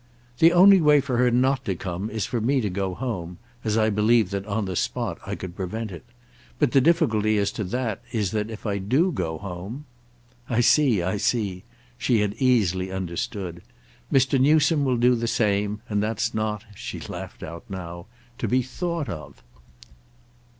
"The only way for her not to come is for me to go home—as I believe that on the spot I could prevent it. But the difficulty as to that is that if I do go home—" "I see, I see"—she had easily understood. "Mr. Newsome will do the same, and that's not"—she laughed out now—"to be thought of."